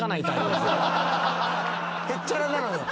へっちゃらなのよ。